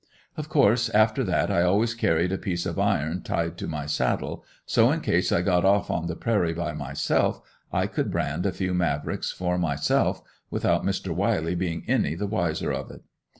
Of course after that I always carried a piece of iron tied to my saddle so in case I got off on the prairie by myself I could brand a few Mavricks for myself, without Mr. Wiley being any the wiser of it.